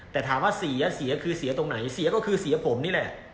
แต่ถามว่าสีอ่ะสีอ่ะคือสีอ่ะตรงไหนสีอ่ะก็คือสีอ่ะผมนี่แหละ